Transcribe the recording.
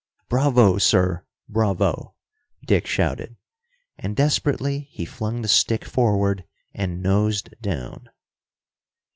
"Bravo, sir, bravo!" Dick shouted. And desperately he flung the stick forward and nosed down.